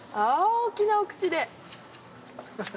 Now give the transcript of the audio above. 大きなお口で。